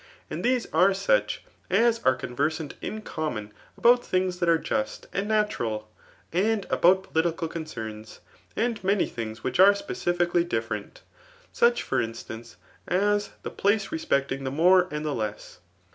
And these are such as are conver sant in common about things that are just and natural, and about political concerns, and many things which are ^)ecifically different ; such for instance as the place re* apecting the more and the less.